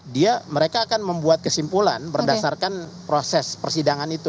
dia mereka akan membuat kesimpulan berdasarkan proses persidangan itu